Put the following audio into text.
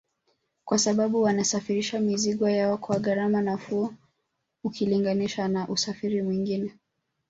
Kwa sababu wanasafirisha mizigo yao kwa gharama nafuu ukilinganisha na usafiri mwingine